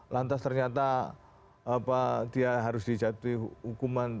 lantas ternyata dia harus dijatuhi hukuman